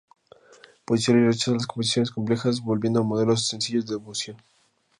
Botticelli rechaza las composiciones complejas, volviendo a modelos sencillos de devoción.